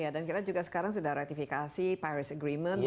dan kita juga sekarang sudah ratifikasi paris agreement